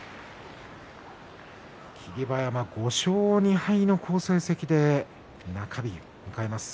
霧馬山、５勝２敗の好成績で中日を迎えます。